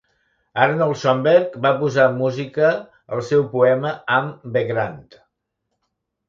Arnold Schoenberg va posar música al seu poema Am Wegrand.